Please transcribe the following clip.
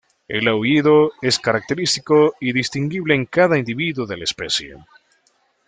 El aullido es característico y distinguible en cada individuo de la especie.